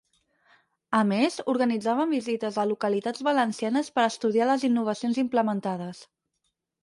A més, organitzaven visites a localitats valencianes per a estudiar les innovacions implementades.